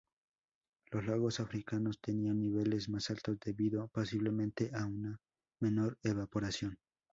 Los lagos africanos tenían niveles más altos, debido posiblemente a una menor evaporación.